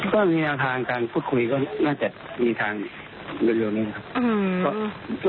ก็มีแนวทางการพูดคุยก็น่าจะมีทางเร็วนี้ครับ